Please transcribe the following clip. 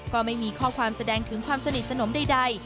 ก็ไม่มีข้อความแสดงถึงความสนิทสนมใด